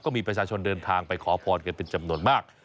ก็มีประชาชนเดินทางไปขอพรกันเป็นจำนวนมาก